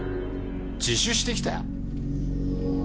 自首してきた！？